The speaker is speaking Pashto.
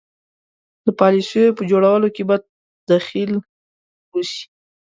د پالیسیو په جوړولو کې به دخیل اوسي.